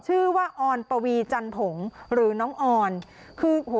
ชื่อว่าออนปวีจันผงหรือน้องออนคือโอ้โห